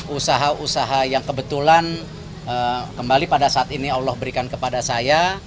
usaha usaha yang kebetulan kembali pada saat ini allah berikan kepada saya